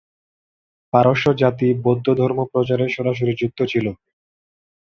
পারস্য জাতি বৌদ্ধ ধর্ম প্রচারে সরাসরি যুক্ত ছিল।